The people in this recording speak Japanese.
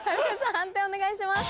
判定お願いします。